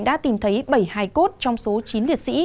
đã tìm thấy bảy mươi hai cốt trong số chín liệt sĩ